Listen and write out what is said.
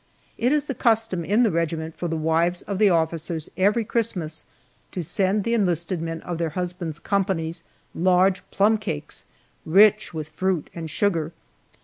It is the custom in the regiment for the wives of the officers every Christmas to send the enlisted men of their husbands' companies large plum cakes, rich with fruit and sugar.